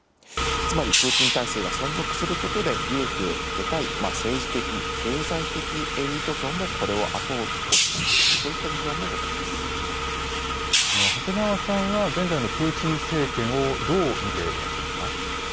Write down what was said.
つまりプーチン体制が存続することで、利益を得たい政治的、経済的エリート層もこれを後押しした長谷川さんは、現在のプーチン政権をどう見ていらっしゃいますか。